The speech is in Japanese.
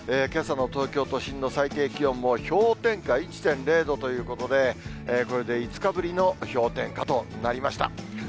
けさの東京都心の最低気温も、氷点下１．０度ということで、これで５日ぶりの氷点下となりました。